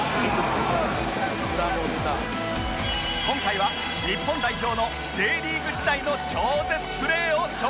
今回は日本代表の Ｊ リーグ時代の超絶プレーを紹介